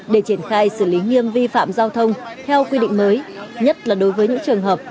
để triển khai xử lý nghiêm vi phạm giao thông theo quy định mới nhất là đối với những trường hợp